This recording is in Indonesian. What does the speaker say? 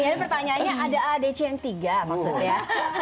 jadi pertanyaannya ada a d c yang tiga maksudnya